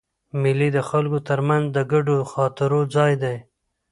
مېلې د خلکو تر منځ د ګډو خاطرو ځای دئ.